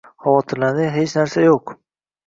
Xavotirlanadigan hech narsa yo'q